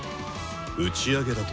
打ち上げだと？